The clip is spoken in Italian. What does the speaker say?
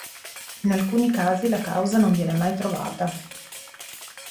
In alcuni casi la causa non viene mai trovata.